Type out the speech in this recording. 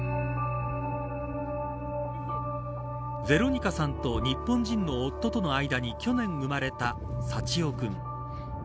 ヴェロニカさんと日本人の夫との間に去年生まれた祥緒君。